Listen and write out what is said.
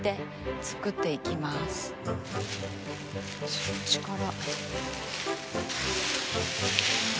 そっちから。